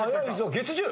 月１０。